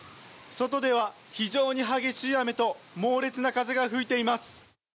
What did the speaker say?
外では、非常に激しい雨と猛烈な風が吹いています。